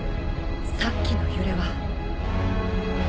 さっきの揺れは。